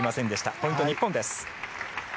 ポイント、日本です。